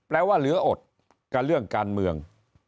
ว่าเหลืออดกับเรื่องการเมือง